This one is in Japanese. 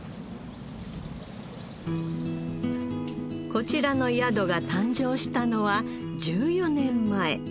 こちらの宿が誕生したのは１４年前